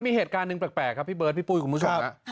มีเหตุการณ์หนึ่งแปลกครับพี่เบิร์ดพี่ปุ้ยคุณผู้ชม